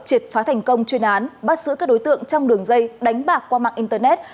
triệt phá thành công chuyên án bắt giữ các đối tượng trong đường dây đánh bạc qua mạng internet